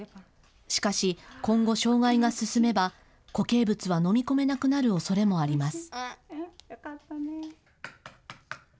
しかし、今後、障害が進めば、固形物は飲み込めなくなるおそれがあります。